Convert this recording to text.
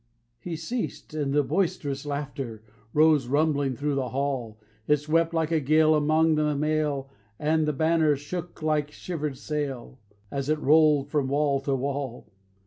He ceased; and the boisterous laughter Rose rumbling thro' the hall. It swept like a gale among the mail, And the banners shook like shivered sail, As it rolled from wall to wall.